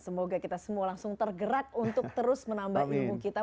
semoga kita semua langsung tergerak untuk terus menambah ilmu kita